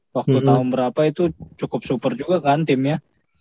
waktu tahun berapa itu cukup super juga kan timnya